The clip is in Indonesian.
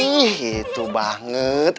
ih itu banget